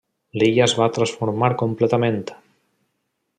L'illa es va transformar completament.